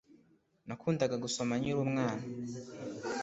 Nakundaga gusoma nkiri umwana